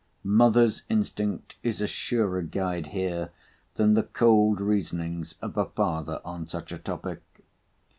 Mothers' instinct is a surer guide here, than the cold reasonings of a father on such a topic.